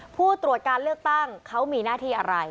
ผู้ตรวจการเลือกตั้งเขามีหน้าที่อะไร